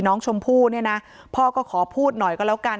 น้องชมพู่เนี่ยนะพ่อก็ขอพูดหน่อยก็แล้วกัน